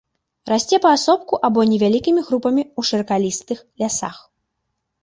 Расце паасобку або невялікімі групамі ў шыракалістых лясах.